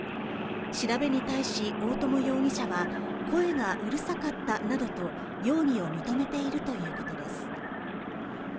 調べに対し大友容疑者は、声がうるさかったなどと容疑を認めているということです。